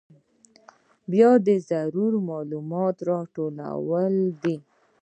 بیا د ضروري معلوماتو راټولول دي.